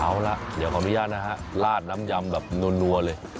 เอาล่ะเดี๋ยวขออนุญาตนะฮะลาดน้ำยำแบบนัวเลย